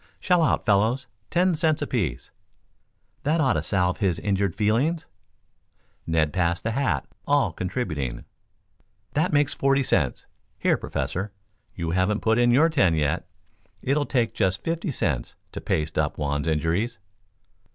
"Shell out, fellows. Ten cents apiece. That ought to salve his injured feelings." Ned passed the hat, all contributing. "That makes forty cents. Here, Professor, you haven't put in your ten yet. It'll take just fifty cents to paste up Juan's injuries."